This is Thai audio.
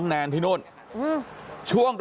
กลับไปลองกลับ